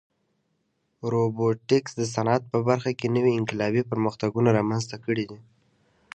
روبوټیکس د صنعت په برخه کې نوې انقلابي پرمختګونه رامنځته کړي دي.